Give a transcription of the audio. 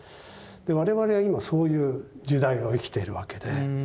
で我々は今そういう時代を生きているわけで。